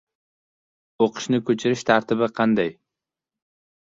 O‘qishni ko‘chirish tartibi qanday?